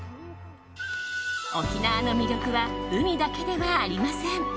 沖縄の魅力は海だけではありません。